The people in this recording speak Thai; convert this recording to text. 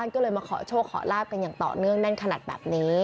ก็เลยมาขอโชคขอลาบกันอย่างต่อเนื่องแน่นขนาดแบบนี้